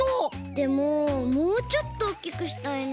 でももうちょっとおっきくしたいな。